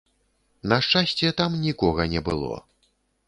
На шчасце, там нікога не было.